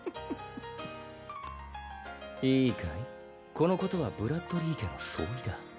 このことはブラッドリィ家の総意だ